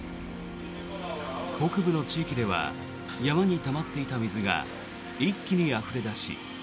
北部の地域では山にたまっていた水が一気にあふれ出し